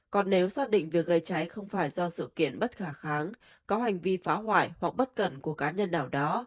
còn nếu xác định việc gây cháy không phải do sự kiện bất khả kháng có hành vi phá hoại hoặc bất cần của cá nhân nào đó